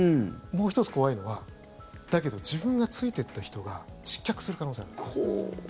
もう１つ、怖いのはだけど、自分がついていった人が失脚する可能性があるんですね。